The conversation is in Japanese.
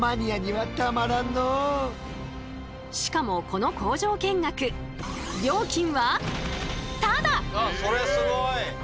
しかもこの工場見学料金はそれすごい！